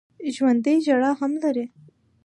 ژوندي ژړا هم لري